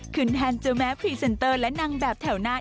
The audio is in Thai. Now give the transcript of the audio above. ขึ้นแทนจะแม้พรีเซนเตอร์และนางแบบแถวหน้า